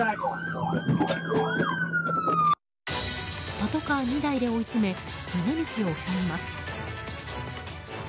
パトカー２台で追い詰め逃げ道を塞ぎます。